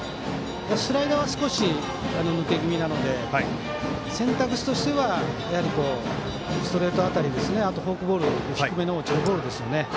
スライダーは少し抜け気味なので選択肢としては、やはりストレート辺りあとはフォークボール、低めの落ちるボールですね。